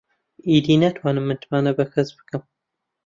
ئیدی ناتوانم متمانە بە کەس بکەم.